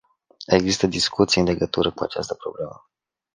Există discuții în legătură cu această problemă.